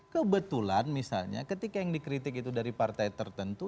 kebetulan misalnya ketika yang dikritik itu dari partai tertentu